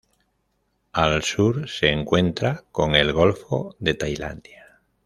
Al sur se encuentra con el golfo de Tailandia.